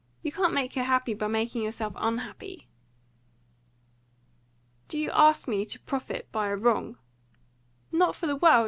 You can't make her happy by making yourself unhappy." "Do you ask me to profit by a wrong?" "Not for the world.